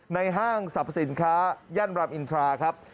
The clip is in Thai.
ในห้างสัพพสินค้ายานราวินทราครับ